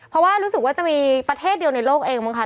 เพราะว่ารู้สึกว่าจะมีประเทศเดียวในโลกเองมั้งคะ